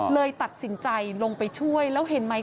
เลยตัดสินใจลงไปช่วยแล้วเห็นไหม